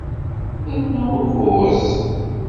Rnu ukuẓ.